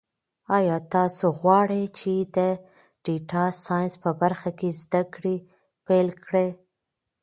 ایا تاسو غواړئ چې د ډیټا ساینس په برخه کې زده کړې پیل کړئ؟